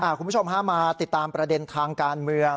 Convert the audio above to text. คุณผู้ชมฮะมาติดตามประเด็นทางการเมือง